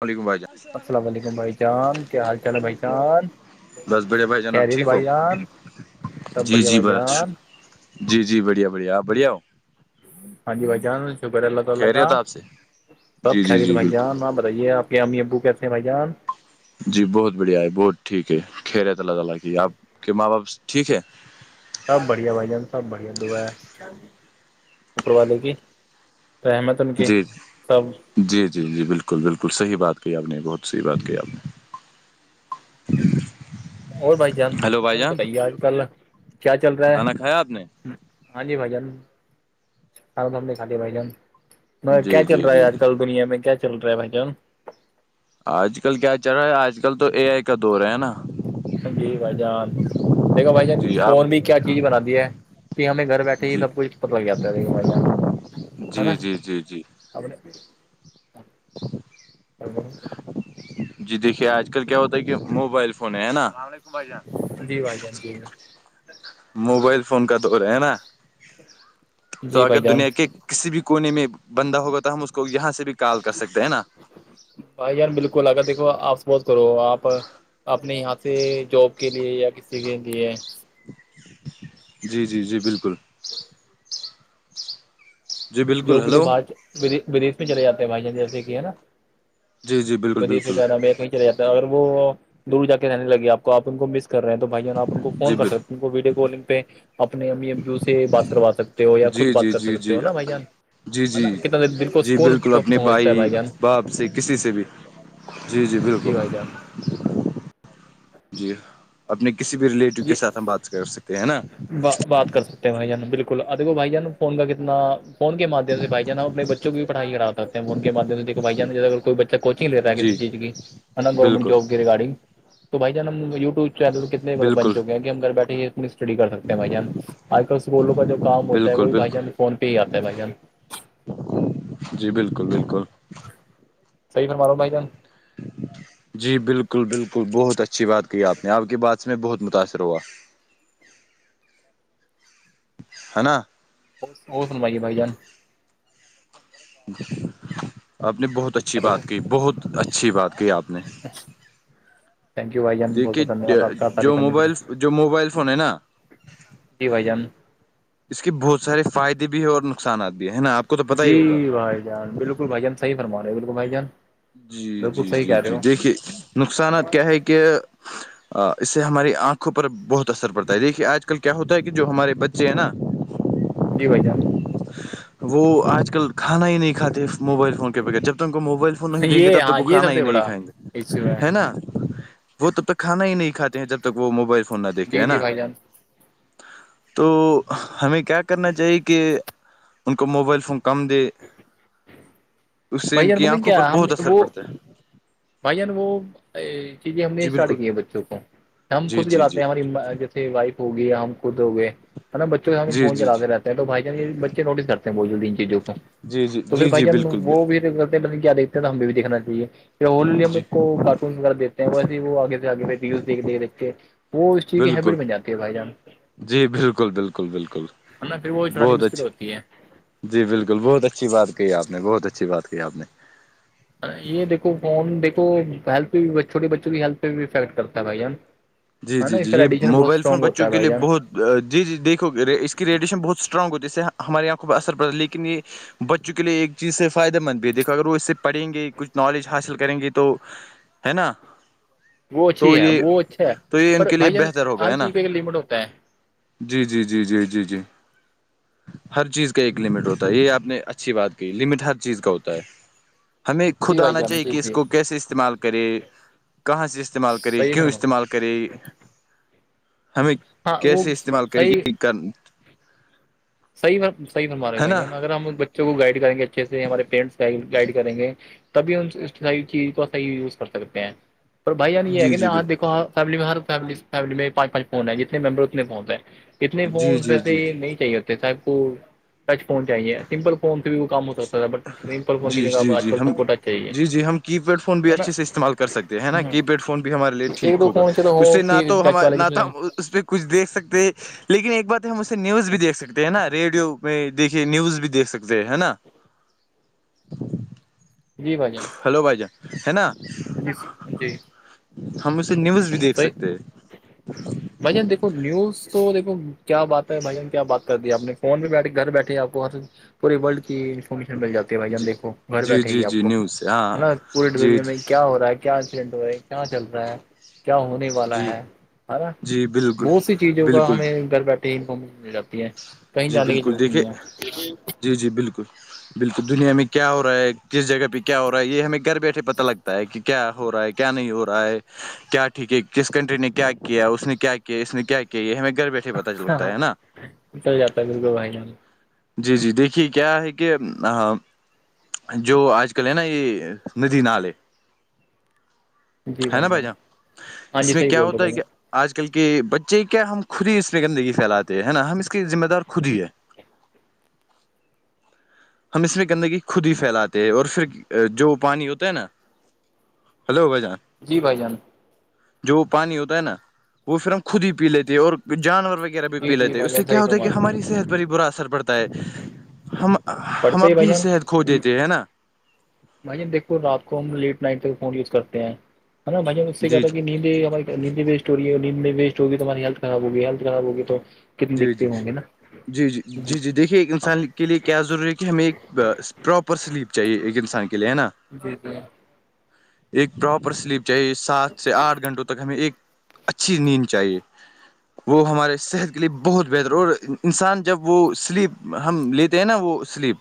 السلام علیکم بھائی جان السلام علیکم بھائی جان کیا حال چال ہے بھائی جان بس بڑھیا بھائی جان آپ خیرت ہیں تو ٹھیک ہو بھائی جان سب جی بڑھیا جی بھائی بس جان جی جی بڑھیا بڑھیا آپ بڑھیا ہو ہاں جی بھائی جان شکر ہے اللہ تعالی کا خیریت آپ سے سب جی جی خیرت ہیں جی بھائی بالکل جان بیے آپ کے امی ابو کیسے ہیں بھائی جان جی بہت بڑھیا ہے بہت ٹھیک ہے خیر ہے تو اللہ تعالی کی آپ کے ماں باپ ٹھیک ہے سب بڑھیا بھائی جان سب بڑھیا دعا ہے شکر والے کی رحمد سن کے جی سب جی جی جی بالکل بالکل صحیح بات کہ آپ نے بہت صحیح بات کہ آپ نے [inaudible] اور بھائی جان ہیلو بھائی جان بتائیے آج کل کیا چل رہا ہے کھانا کھایا آپ نے ہاں جی بھائی جان س ہم نے کھا لیا بھائی جان جی کیا چل جی رہا ہے جی آج جی کل دنیا میں کیا چل رہا ہے بھائیان آج کل کیا چل رہا ہے آج کل تو اے آئی کا دور ہے نا جی بھائی جان دیکھو بھائی جان جی آپ فون بھی کیا چیز بناتی ہے پ ہمیں گھر بیٹھے ہی جی سب کچھ پت لگ جاتا ہےے بھائی جان ہے جی نا جی جی جی ا [inaudible] جی دیکھیے آج کل کیا ہوتا ہے کہ موبائل فون ہے نا بالکل بھائی جان جی بھائی جان جی موبائل فون کا دور ہے نا تو جی اگر بھائی جان دنیا کے کسی بھی کونے میں بندہ ہوگا تو ہم اس کو یہاں سے بھی کال کر سکتے ہیں نا بھائی یار بالکل آگ دیکھو آپ سپوز کرو آپ اپنے یہاں سے جاب کے لیے یا کسی کے لیے جی جی جی بالکل جی بالکل جو کے لیے ہلو باہر ودی میں چلے جاتے ہیں بھائی جان جیسے کہ ہے نا جی جی بالکل وز سے بالکل کہا میں کہیں چلے جاتا اگر وہ دور جا کے رہنے لگے آپ کو آپ ان کو مس کر رہ ہیں تو بھائ جان آپ ان کو جی فون کر ب سکتے ہیں کو ویڈیو کالنگ پہ اپنے امی ابو سے بات کروا سکتے ہو یا خود جی بات جی کر جی سکتے جی ہو نا بھائی جان جی ہے جی نا کتنا دل کو جی سکون بالکل اپنے پہنچتا بھائی ہے جان باپ سے کسی سے بھی جی جی بالکل بھائی جان جی اپنے کسی بھی ریلیٹو کے جی ساتھ ہم بات کر سکتے ہیں نا بات کر سکتے ہیں بھائی جانا بالکل دیکھو بھائی جان فون کا کتنا فون کے مادھیم سے بھائی جان اپنے بچوں کو بھی پڑھای کرا اپنےفون کے مدھیام سے دیکھو بھی جان کوئی بچہ کوچنگ لے رہا کسی جی چیز کی ہے نا گورنمنٹ بالکل جاب کی ریگارڈنگ تو بھائی جان ہم یوٹوب چینل کتنے بالکل بن چکے ہیں کہ ہم گھر بیٹھے ہیں اسٹڈی کر سکتے ہیں بھائی جان آج کل اسکولوں کا جو کام ہوتا ہے وہ بالکل بھی بھائی بالکل جان فون پہ ہی آتا ہے بھائی جان جی بالکل بالکل صحیح فرما رہے بھائی جان جی بالکل بالکل بہت اچھی بات کہی آپنے آپ کی بات سے میں بہت متاثر ہوا ہے نا اور سن بائیے بھائی جان [unintelligible] آپ نے بہت اچھی بات کہی بہت اچھی بات کہی آپ نے تھنک یو بھائی جان بہت دیکھیے بہت دھنیہ واد آپ کا ت [unintelligible] جو موبائل جو موبائل فون ہے نا جی بھائی جان اس کے بہت سارے فائدہ بھی ہیں اور نق نقصانات بھی ہیں جی بھائی جان بالکل بھائی جان صحیح فرما رہے ہیں بالکل بھائی جان جی بالکل جی صحیح جی کہہ رہے جی ہو دیکھیے نقصانات کیا ہے کہ اس سے ہماری آنکھوں پر بہت اثر پڑتا ہے دیکھیے آج کل کیا ہوتا ہے کہ جو ہمارے بچے ہیں نا [inaudible] جی بھائی جان وہ آج کل کھانا ہی نہیں کاتے موبائل فون کے بغیر جب تک ان کو موبائل نہیں دیں گے یہ تب تک ہاں وہ یہ کھانا سب ہی سے نہیں بڑا کھائیں گے ہے نا وہ تب تک کھانا ہی نہیں کھاتے ہیں جب تک وہ موبائل فون نہ دیکھے جی ہے جی نا بھائی جان تو ہمیں کیا کرنا چاہیے کہ ان کو موبائل فون کم دے اس سے بھائی ان جان کی پتہ آنکھوں پر کیا ہم بہت اثر وہ پڑتا ہے بھائی جان وہ چیزیں ہم نے جی اسٹارٹ بالکل کی ہے بچوں کو ہم جی خود جی چلاتے جی ہیں ہماری وائف ہوگی یا ہم خود ہو گئے بچوں کے سامنے جی فون جی جی چلاتے رہتے تو بھائی جان یہ بچے نوٹس کرتے ہیں [unintelligible] جلدی ان چیزوں کا جی جی تو پھر جی بھائی جی جان بالکل وہ بالکل بھی بند کیا دیکتے ہیں تو ہم بھی دیکھنا چاہیے پھر ہولی ہم جی اس کو کارٹونس وغیرہ د دیتے ہیں ویسے وہ آگے سے آگے ریلاس دیکھ کے [unintelligible] وہ اس چیز کی بالکل ہیبٹ بن جاتی ہے بھائی جان جی بالکل بالکل بالکل ہے نا پھر وہ چلانی بہت مشکل اچھی ہوتی ہے ہے جی بالکل بہت اچھی بات کہی آپ نے بہت اچھی بات کہی آپ نے یہ دیکھو فون دیکھو ہیلتھ پہ چھو ٹئے بچوں کی ہیلتھ پہ بھی ایفیکٹ کرتا ہے بھائی جی ہے نا جی اس جی کا یہ ریڈیشن بہت موبائل فون اسٹرانگ ہوتا بچوں ہے کے بھائی لیے جان بہت جی جی دیکھو اس کی ریڈیشن بہت اسٹرانگ ہوتی ہے اس سے ہمارے یہاں خوب اثر پڑتا ہے لیکن یہ بچوں کے لیے ایک چیز سے فائدہ مند بھی ہے دیکھو اگر وہ اس سے پڑھیں گے کچھ نالج حاصل کریں گے تو ہے نا وہ تو اچھی ہے یہ وہ اچھا ہے تو یہ ان پر کے لیے بھائی جان بہتر ہوگا ہر ہے نا چیز کا ایک لمٹ ہوتا ہے جی جی جی جی جی جی ہر چیز کا ایک لمٹ ہوتا ہے یہ آپ نے اچھی بات کی لمٹ ہر چیز کا ہوتا ہے ہمیں جی خود بھائی آنا جان چاہیے جی کہ اس جی کو کیسے استعمال کرے کہاں سے استعمال کرے صحیح کیوں فرما استعمال کرے ہمیں ہاں وہ کیسے استعمال کری صحیح یہ کر صحیح میں صحیح فرما رہے ہو ہے بھائی نا جان اگر ہم بچوں کو گائڈ کریں گے اچھے سے ہمارے پرینٹس گائڈ کریں گے تبھی انح چیز کو صح یوز کر سکتے ہیں پر بھائی یہ ہے جی کہ جی بالکل دیکو فیملی میں ہر ف فملی میں پانچ پانچ فون ہیں جتنے ممبر اتنے فون ہیں اتنے جی فون جی ویسے جی نہیں چاہیے ہوتے صاحب کو ٹچ فون چاہیے سمپل فون سے بھی وہ کام ہوتا جی جی جی ہم ٹچ چاہیے جی جی ہم کی پیڈ فون بھی ہے نا اچھے سے استعمال کر سکتے ہے نا ہاں کی پیڈ فون بھی ہمارے لیے ایک ٹھیک دو ہوگا فون چلو اس ہو سے کہ نہ تو ہم ٹچ والا نہ جس میں تو ہم اس پہ کچھ دیکھ سکتے لیکن ایک بار ہم اسے نیوز بھی دیکھ سکتے نا ریڈیو میں دیکے نیوز بھی دھ سکتے ہیں نا [inaudible] جی بھائیان ہیلو بائیجا ہے نا ی جی [unintelligible] ہم اسے نیوز بھی دیکھ صحیح سکتے ہیں بھائی جان دیکو نیوز تو دیکو کیا بات ہے بھائی جان کیا بات کر دی ہے آپ نے فون پہ بیٹھے گھر بیٹھے آپ وہاں سے پورے ورلڈ کی انفارمیشن مل جاتی ہے بھائی ہم جی دیکھو گھر جی بیٹھے جی ہی آپ جی کو نیوز سے ہے ہاں نا پوری جی دنیا جی میں کیا ہو رہا ہے کیا ایکسیڈنٹ ہو رہا کیا چل رہا ہے کیا ہونے والا جی ہے ہ نا جی بالکل بہت سی چیزوں کا بالکل ہمیں گھر بیٹھے ٹرین پ مل جاتی ہے کہیں جی جانے کی بالکل ضرورت دیکھیے نہیں ہے جی جی بالکل بالکل دنیا میں کیا ہو رہا ہے کس جگہ پہ کیا ہو رہا ہے یہ ہمیں گھر بیٹھے پتا لگتا ہے کہ کیا ہو رہا ہے کیا نہیں ہو رہا ہے کیا ٹھیک ہے کس کنٹری نے کیا اس نے کیا کیا اس نے کیا کیا یہ ہمیں گھر بیٹھے پتا چ ہاں ہاں لگتا ہے نا جاتا دگو بھ [unintelligible] جی جی دیکھیے کیا ہے کہ جو آج کل ہے نا یہ ندی نال ہے ہے نا بھائی جان ہاں اس جی میں صحیح کیا بول رہے ہوتا بھائی ہے کیا جان آج کل کے بچے کیا ہم خود ہی اس میں گندگی پھیلات ہے نا ہم اس کی ذمہ دار خود ہی ہے ہم اس میں کرنے کی خود ہی پھیلاتے ہیں اور پھر جو پانی ہوتا ہے نا ہلو بھ جان جی بھائی جان جو پانی ہوتا ہے نا وہ پھر ہم خود ہی پی لیتے ہے اور جانور وغیرہ بھی جی پی جی لیتے ہیں اس بھائی سے جان کیا صحیح ہوتا ہے فرما کہ رہے ہیں ہماری صحت پر ہی برا اثر پڑتا ہے ہم ہم پڑھتے ہی بھائی اپنی جان صحت کھو دیتے ہیں ہے نا بھائی دیکھو رات کو ہم لیٹ نائٹ تک فون یوز کرتے ہیں ہے نا میں نے اس سے کہ جی تھا کہ نیندی ہم نیندے ی میں ویسٹ ہوگی ت ہماری ہیلت خراب ہوگی ہیت خراب ہوگی تو کتنے جی جی دکھتے ہوں گے نا جی جی جی جی دیکھیے ایک انسان کے لیے کیا ضروری ہے کہ ہمیں ایک پراپر سلیپ چاہیے ایک انسان کے لیے ہے نا جی جی ایک پراپر سلیپ چاہیے سات سے آٹھ گھنٹوں تک ہمیں ایک اچھی نیند چاہیے وہ ہمارے صحت کے کے لیے بہت بہتر اور انسان جب وہ سلیپ ہم لیتے ہیں نا وہ سلیپ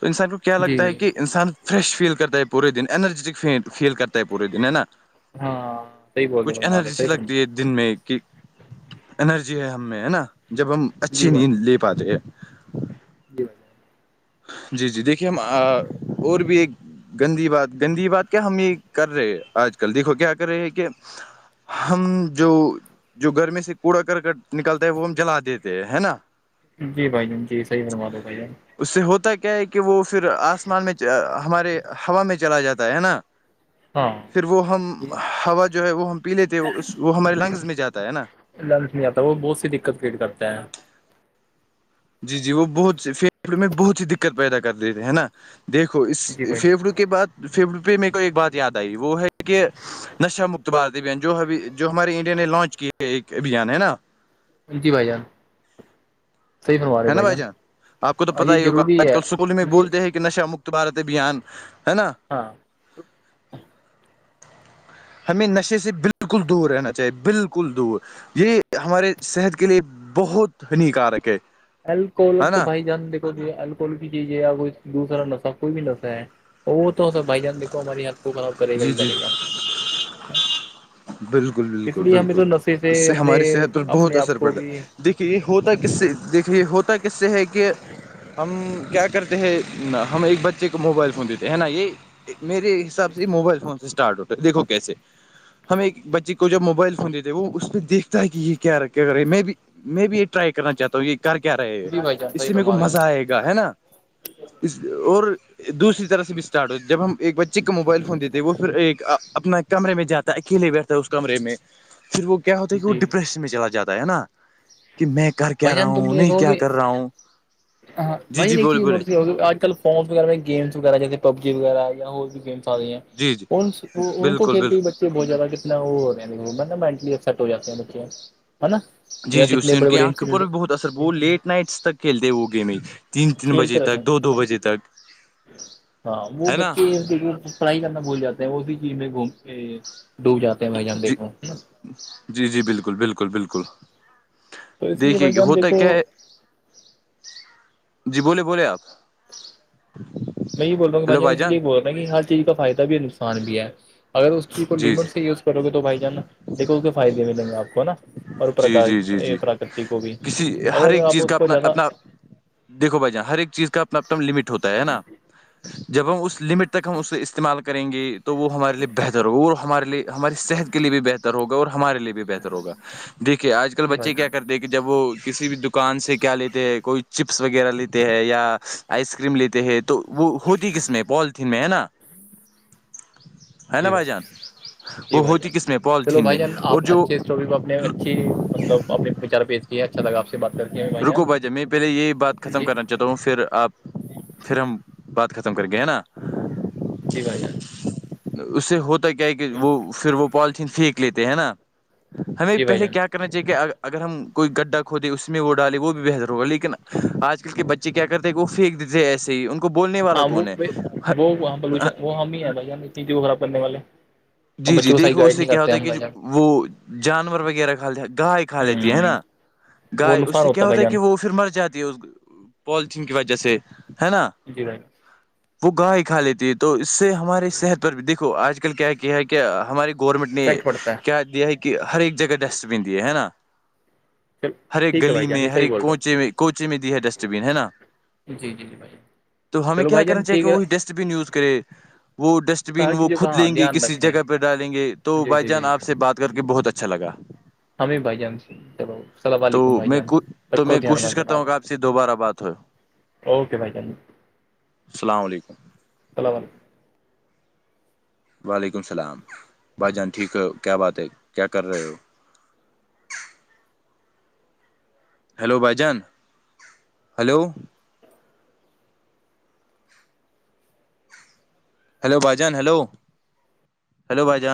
تو ان سائڈ کیا جی لگتا ہے جی کہ انسان فریش فیل کرتا ہے پورے دن انرجیٹک فیل کرتا ہے پورے دن ہے نا ہاں صحیح بول رہے کچھ فرما رہے انرجی سی صحیح فرما لگتی ہے رہے دن میں کہ انرجی ہے ہم میں ہے نا جب ہم جی اچھی بھائی نیند جان لے پاتے ہیں جی جان جی جی دیکھیے ہم اور بھی ایک گندی بات گندی بات کیا ہم یہ کر رہے آج کل دیکھو کیا کر رہے ہے کہ ہم جو جو گرمی سے کوڑا کرک نکلتا ہے وہ ہم جلا دیتے ہیں ہے نا جی بھائی جان جی صحی بنوا دو بھائی جان [unintelligible] اس سے ہوتا کیا ہے کہ وہ پھر آسمان میں ہمارے ہوا میں چلا جاتا ہے نا ہاں پھر وہ ہم یہ ہوا جو ہے وہ ہم پی لیتے وہ ہمارے لنگز میں جاتا ہے نا لنچ نہیں آتا وہ بہت سی دقت کریٹ کرتا ہیں جی جی وہ بہت فھیفڑے میں بہت ہی دقت پیدا کر دیتےے ہے نا دیکھو اس جی بھائی فھیفڑو جان کے بعد پھر پ میر کو ایک بات یاد آئی وہ ہے کہ نشہ مکتبار ابھیان جو ابھی جو ہمارے انڈیا نے لانچ کیے ہے ایک ابھیان ہے نا انتی بھائی جان صحیح فرما رہے ہے نا بھائی جان آپ کو تو پتا یہ ہی ہوگا ضروری آج ہے کل اسکول میں یہ بولتے ہیں کہ نشا مکت بھارت ابھیان ہے نا ہاں [inaudible] ہمیں نشے سے بالکل دور رہنا چاہیے بالکل دور یہ ہمارے صحت کے لیے بہت ہانیکارک ہے ہے الکوہلک تو نا بھائی جان دیکھو الکول کی چیز ہے یا کو دوسرا نشہ کوئی بھی نشہ ہے وہ تو س بھائی جان دیکھو ہمارے ہات کو کرے گا جی ہی جی کرے گا بالکل اس بالکل لیے ہمیں بالکل تو نشے اس سے اپنے ہماری صحت پر بہت اپنے آپ اثر کو پڑا بھی دیکھیے ہوتا کس سے دیکھیے ہوتا کس سے ہے کہ ہم کیا کرتے ہیں نا ہم ایک بچے کو موبائل فون دیتے ہے نا یہ میرے حساب سے یہ موبائل فون اسٹارٹ ہوتےیکھو کیسے ہم ایک بچے کو جب موبائل فون دیتے ہیں وہ اس پہ دیکھتا ہے کہ یہ کیا کیا رہے ہے میں بی میں بھی یہ ٹرائی کرنا چاہتا ہوں یہ ک کیا رہے گ جی بھائی جان اس صحیح سے میرے کو فرما رہے مزہ ہو آئے گا ہے نا حب اور دوسری طرح سے بھی اسٹارٹ ہو جب ہم ایک بچے کو موبائل فون دیتے وہ پھر ایک اپنا کمرے میں جاتے اکیلے بیٹھتا ہے اس کمرے میں پھر وہ کیا ہوتا ہے کہ وہ جی ڈپریشن میں چلا جاتا ہے ہے نا کہ میں کر کیا رہا بجن تم ہوں ایک نہیں کیا ہوگی کر رہا ہوں ہاں جی جی بجن ایک بولے چیز بولے نوٹتی ہوگی آج کل فونس وغیر میں گمسغیرہ جیے پبجیغہ یا ہو بھی گم آ رہی ہیں جی جی ان کو بالکل کھیل کے بھی بالکل بچے چ بہت جیادہ کتنا اورلیٹ ہو جاتے ہیں بچے ہے نا جی یا جی اس کتنی سے ان بڑی کی بڑی آنکھوں بھی بہت اثر ہو لیٹ نائٹس تک کھیلتے ہیں وہ گیمیں تین تین بجے کھیلتے رہتے تک دو دو ہیں بجے تک ہاں وہ ہے نا بچے دیکھو پڑھائی کرنا بھول جاتے ہیں اسی چیز میں گوم ڈوب جاتے ہیں ب جان جی دیکھ جی جی بالکل بالکل بالکل اس لیے دیکھیے بھائی کہ جان ہوتا دیکھو کیا ہے جی بولے بولے آپ میں یہ بول رہ ہوں ہیلو کہھائیب بھائی اس جان لیے بول رہے ہیں کہ ہر چیز کا فائد بھی نقصان بھی ہے اگر اس کو جی لٹ جی سے یز کرو گے تو بھائی جان دیکو اس کے فائدے ملیں گے آپ کو نا جی جی جی جی اورکار کٹی کو بھی کسی اگر آپ اس کو زیادہ دیکو بھائی جاناں ہر ایک چیز کا اپنا اپنا لمٹ ہوتا ہے نا جب ہم اس لمٹ تک ہم اسے استعمال کریں گے تو وہ ہمارے لیے بہتر عور ہمارے لیے ہماری صحت کے لیے بھی بہتر ہوگا اور ہمارے لیے بھی بہتر ہوگ دیکھیے آج کل جی بھائی بچے کیا جان کر د گ کہ جب وہ کسی بھی دکان سے کیا لیتے ہیں کوئی چپس وغیرہ لیتے ہیں یا آئس کریم لیتے ہیں تو تو وہ ہوتی کس میں پالیتھین میں ہے نا ہے ن بھائی جان جی وہ بھائی ہوتی جان کس میں چلو پالیتھین میں بھائی جان اور آپ جو اچھے اسٹوری پ اپنے اچھی مطلب اپنے وچار پی کیاے اچھا لا آپ بات کریں رکو بائی جا میں پہلے یہ بات ختم کرنا چاہ چتا ہوں پھر آپ پھر ہم بات ختم کر کےئے ہے نا جی ب جان اس سے ہوتا کیا ہے کہ وہ پھر وہ پالیتین پھینک لیتے ہے نا ہمیں جی بھائی پہلے جان کیا کرنا چاہیے کہ اگر ہم کوئی گڈھا کھودے اس میں میں وہ ڈالے وہ بھی بہتر ہوا لیکن آج کل کے بچے کیا کرتے ہیں کہ وہ پھینک دیتے ہیں ایسے ہی ان کو بولنے والا ہاں وہ کون ہے ہ وہ وہاں پرچشا وہ ہم ہی ہیں بھائی ہم اتنی تھی وہ خراب کرنے والے اور جی جی بچوں کو صحیح دیکھو اس گائڈ سے نہیں کیا کرتے ہوتا ہے ہم کہ بھائی جان وہ جانور وغیرہ کھا گائے کھا لیتی ہے ہوں نا وہ گائے اس نقصان سے کیا ہوتا بھائی ہے جان کہ وہ پھر مر جاتی اس پالیتین کی وجہ سے ہے نا جی بائی وہ گائے کھا لیتی ہے تو اس سے ہمارے صحت پر بھی دیکھو آج کل کیا کیا ہے کہ ہمارے گورنمنٹ نے افیکٹ پڑتا کیا دیا ہے کہ ہر ایک جگہ ڈسٹ بین دی ہے نا چل ہر ایک ٹھیک ہے گلی بھائی جان میں جی ہر صحیح ایک بول رہا کوچے میں کوچے میں دی ہے ڈسٹ بین ہے نا جی جی جی بھائیائی تو ہمیں کیا کرنا چاہیے کہ وہی ڈسٹ بین یوز کرے وہ ڈسٹ بین ساری وہ چیزوں کا خود ہاں لیں گے دھیان کسی رکھیں جگہ پہ ڈالیں گے تو جی بھائی جی جان جی آپ سے بات کر کے بہت اچھا لگا ہمیں بھائی جان سے چلو اللام تو علیکم بھائی میں جان تو رکھو میں دھیان بھائی کوشش کرتا ہوں بگابا کہ آپ سے دوبارہ بات ہو اوکے بھائی ج السلام علیکم اللول وعلیکم السلام بھائی جان ٹھیک ہو کیا بات ہے کیا کر رہے ہو ہیلو بھائیجان ہلو ہیلو بجان ہیلو ہیلو بجان